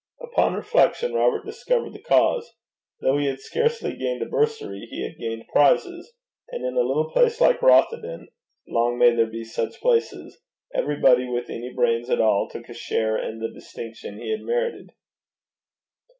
Upon reflection Robert discovered the cause: though he had scarcely gained a bursary, he had gained prizes; and in a little place like Rothieden long may there be such places! everybody with any brains at all took a share in the distinction he had merited.